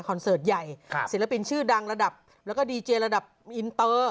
เสิร์ตใหญ่ศิลปินชื่อดังระดับแล้วก็ดีเจระดับอินเตอร์